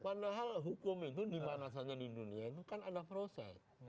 padahal hukum itu dimana saja di dunia itu kan ada proses